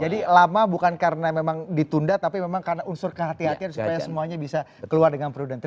jadi lama bukan karena memang ditunda tapi memang karena unsur kehati hatian supaya semuanya bisa keluar dengan prudent